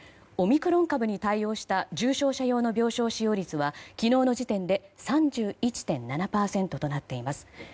オミクロン株に対応した重症用の病床使用率は昨日の時点で３１．７％となっています。